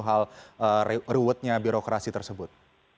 hal ruwetnya birokrasi tersebut